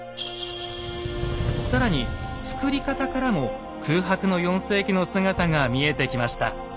更に作り方からも空白の４世紀の姿が見えてきました。